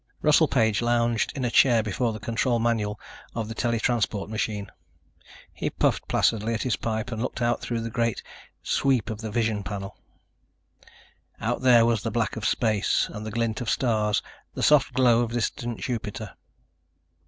Russell Page lounged in a chair before the control manual of the tele transport machine. He puffed placidly at his pipe and looked out through the great sweep of the vision panel. Out there was the black of space and the glint of stars, the soft glow of distant Jupiter.